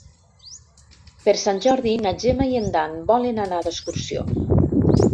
Per Sant Jordi na Gemma i en Dan volen anar d'excursió.